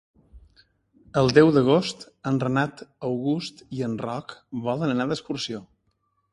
El deu d'agost en Renat August i en Roc volen anar d'excursió.